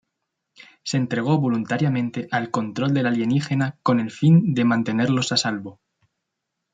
Se entregó voluntariamente al control del alienígena con el fin de mantenerlos a salvo.